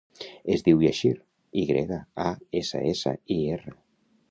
Es diu Yassir: i grega, a, essa, essa, i, erra.